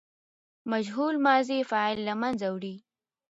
مجهول ماضي فاعل له منځه وړي.